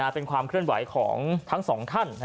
เป็นความเคลื่อนไหวของทั้งสองท่าน